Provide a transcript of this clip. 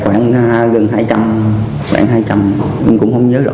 khoảng gần hai trăm linh khoảng hai trăm linh nhưng cũng không nhớ rõ